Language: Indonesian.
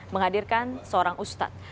menghadirkan seorang ustad